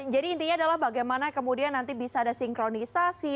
intinya adalah bagaimana kemudian nanti bisa ada sinkronisasi